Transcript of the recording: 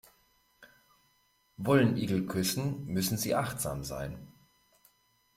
Wollen Igel küssen, müssen sie achtsam sein.